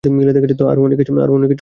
আরো অনেক কিছুই ঘটবে।